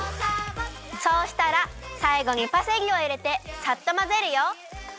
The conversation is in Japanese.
そうしたらさいごにパセリをいれてさっとまぜるよ。